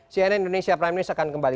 cnn indonesia prime news akan kembali